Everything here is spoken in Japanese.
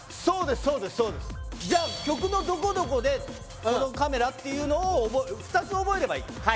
そうですそうですじゃあ曲のどこどこでこのカメラっていうのを２つ覚えればいい？